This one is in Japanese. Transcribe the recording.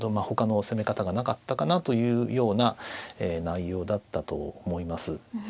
他の攻め方がなかったかなというような内容だったと思います。